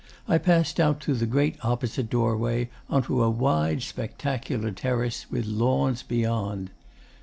I passed out through the great opposite doorway on to a wide spectacular terrace with lawns beyond.